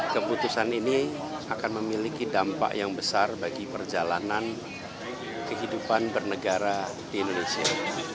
keputusan ini akan memiliki dampak yang besar bagi perjalanan kehidupan bernegara di indonesia